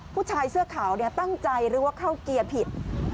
ผู้ชายเสื้อขาวตั้งใจหรือว่าเข้าเกียร์ผิด